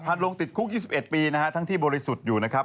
ลงติดคุก๒๑ปีนะฮะทั้งที่บริสุทธิ์อยู่นะครับ